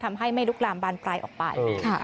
ทำให้ไม่ลุกรามบานปลายออกไป